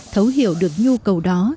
thấu hiểu được nhu cầu đó